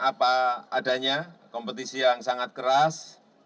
apa adanya kompetisi yang sangat keras